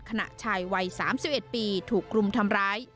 ชายวัย๓๑ปีถูกกลุ่มทำร้าย